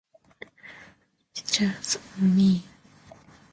It jars on me.